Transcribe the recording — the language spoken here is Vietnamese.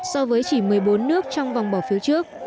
so với chỉ một mươi bốn nước trong vòng bỏ phiếu trước